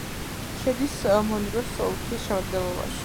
შედის მონროს ოლქის შემადგენლობაში.